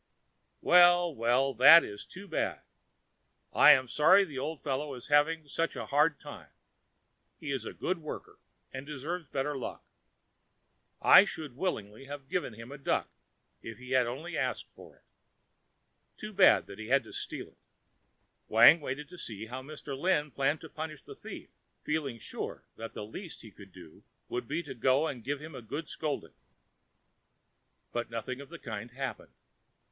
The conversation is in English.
"Well, well, that is too bad! I am sorry the old fellow is having such a hard time. He is a good worker and deserves better luck. I should willingly have given him the duck if he had only asked for it. Too bad that he had to steal it." Wang waited to see how Mr. Lin planned to punish the thief, feeling sure that the least he could do, would be to go and give him a good scolding. But nothing of the kind happened.